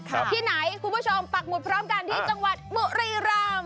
ที่ไหนคุณผู้ชมปักหมุดพร้อมกันที่จังหวัดบุรีรำ